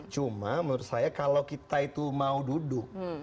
cuma menurut saya kalau kita itu mau duduk